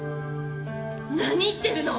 何言ってるの？